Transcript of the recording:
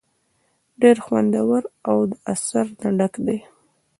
ډېر خوندور او د اثر نه ډک دے ۔